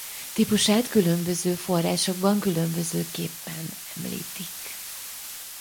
Típusát különböző forrásokban különbözőképpen említik.